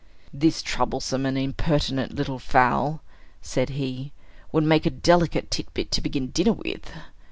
"This troublesome and impertinent little fowl," said he, "would make a delicate titbit to begin dinner with.